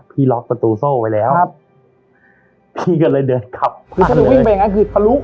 พี่ล็อกประตูโซ่ไว้แล้วครับพี่ก็เลยเดินขับคือถ้าหนูวิ่งไปอย่างงั้นคือทะลุ